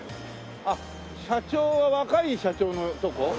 あっ社長が若い社長のとこ？